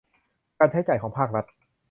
การใช้จ่ายของภาครัฐ